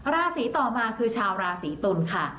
ราศีต่อมาคือชาวราศีตุลค่ะ